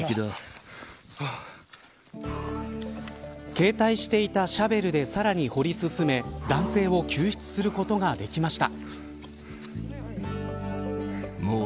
携帯していたシャベルでさらに掘り進め男性を救出することができました。